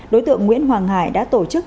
đối tượng nguyễn hoàng hải đã tổ chức